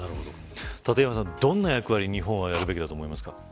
立岩さん、どんな役割を日本がやるべきだと思いますか。